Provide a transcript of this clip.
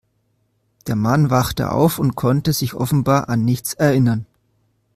Der Mann wachte auf und konnte sich offenbar an nichts erinnern.